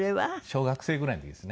小学生ぐらいの時ですね。